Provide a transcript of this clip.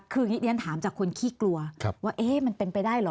คือนี้นั้นถามจากคนขี้กลัวว่ามันเป็นไปได้หรอ